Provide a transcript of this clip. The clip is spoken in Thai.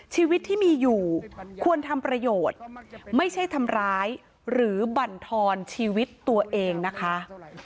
ชีวิตที่มีอยู่ควรทำประโยชน์ไม่ใช่ทำร้ายหรือบรรทอนชีวิตตัวเองนะคะ